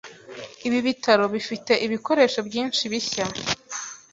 Ibi bitaro bifite ibikoresho byinshi bishya.